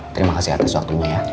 terima kasih atas waktunya ya